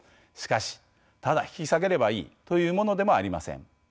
しかしただ引き下げればいいというものでもありません。